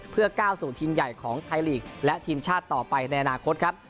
เพื่อก้าวสู่ทีมใหญ่ของไทยลีกและทีมชาติต่อไปในอนาคตครับ